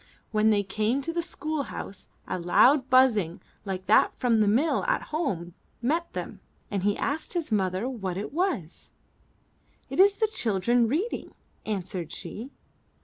When they came to the school house a loud buzzing like that from the mill at home met them, and he asked his mother what it was. It is the children reading," answered she.